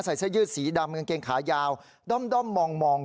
ใส่เส้นยืดสีดำกางเกงขายาวด้อมด้อมมองเจอมโอ้โห